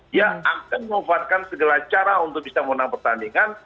dia akan menguatkan segala cara untuk bisa memenang pertandingan